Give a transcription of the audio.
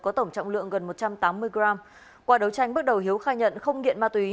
có tổng trọng lượng gần một trăm tám mươi gram